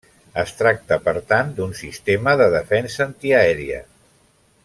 Es tracta per tant d'un sistema de defensa antiaèria.